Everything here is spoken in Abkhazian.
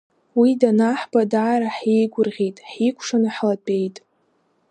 Уи данаҳба, даара ҳиеигәырӷьеит, ҳикәшаны ҳлатәеит.